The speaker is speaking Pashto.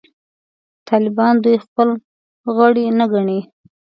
طالبان دوی خپل غړي نه ګڼي.